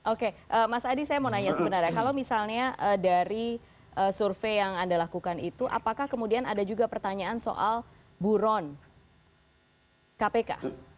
oke mas adi saya mau nanya sebenarnya kalau misalnya dari survei yang anda lakukan itu apakah kemudian ada juga pertanyaan soal buron kpk